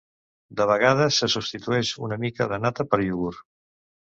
De vegades se substitueix una mica de nata per iogurt.